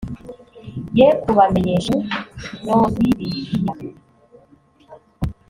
ye kubamenyesha ubu nobibiliya